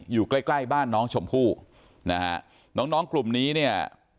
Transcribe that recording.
อยู่ใกล้บ้านน้องชมผู้นะฮะน้องกลุ่มนี้เนี่ย